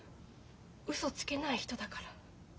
うそつけない人だから。